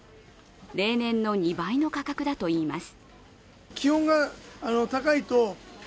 例年の２倍の価格だといいます。